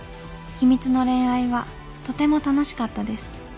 秘密の恋愛はとても楽しかったです。